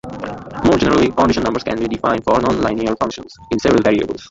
More generally, condition numbers can be defined for non-linear functions in several variables.